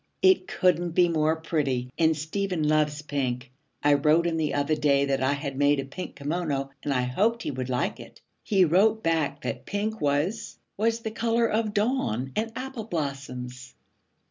'It couldn't be more pretty, and Stephen loves pink. I wrote him the other day that I had made a pink kimono and I hoped he would like it. He wrote back that pink was was the color of dawn and apple blossoms.'